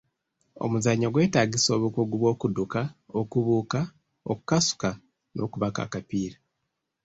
Omuzannyo gwetaagisa obukugu bw'okudduka, okubuuka, okukasuka n’okubaka akapiira.